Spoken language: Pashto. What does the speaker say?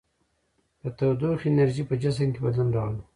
د تودوخې انرژي په جسم کې بدلون راولي.